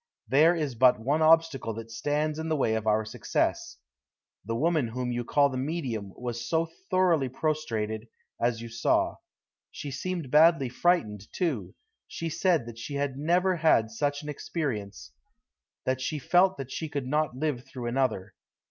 There is but one obstacle that stands in the way of our success. The woman whom you call the medium was thoroughly prostrated, as you saw. She seemed badly frightened, too. She said that she had never had such an experience: that she felt that she could not live through another.